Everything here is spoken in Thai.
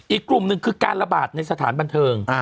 อีกกลุ่มหนึ่งคือการระบาดในสถานบันเทิง